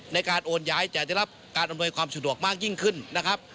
ในการโอนย้ายจะได้รับการอำนวยความสะดวกมากยิ่งขึ้นนะครับ